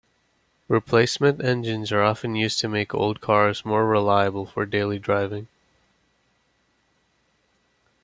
Replacement engines are often used to make old cars more reliable for daily driving.